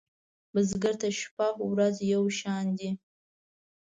بزګر ته شپه ورځ یو شان دي